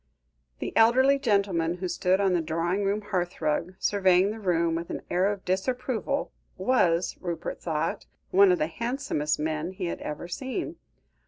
The elderly gentleman who stood on the drawing room hearthrug, surveying the room with an air of disapproval, was, Rupert thought, one of the handsomest men he had ever seen.